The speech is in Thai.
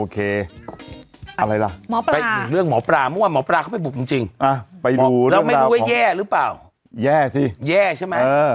ใช่ไหม